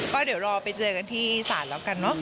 ก็เดี๋ยวรอไปเจอกันที่ศาลแล้วกันเนอะ